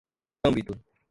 âmbito